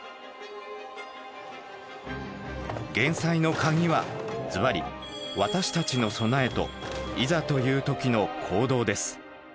減災の鍵はずばり「私たちの備え」と「いざという時の行動」です。